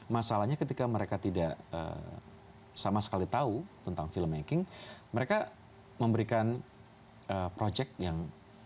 masalahnya ketika mereka tidak sama sekali tahu tentang filmmaking mereka memberikan project yang